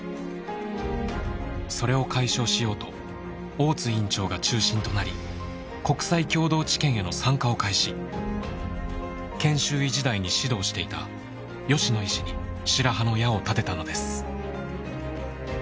それを解消しようと大津院長が中心となり研修医時代に指導していた吉野医師に白羽の矢を立てたのです。